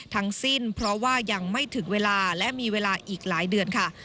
ทั้งสิ้นเพราะว่ายังไม่ถึงเวลาและมีเวลาอีกหลายเดือนค่ะ